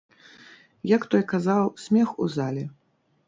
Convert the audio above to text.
Як той казаў, смех у залі.